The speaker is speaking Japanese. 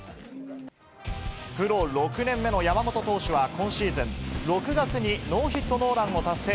プロ６年目の山本投手は今シーズン、６月にノーヒットノーランを達成。